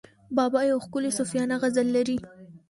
بابا یو ښکلی صوفیانه غزل لري.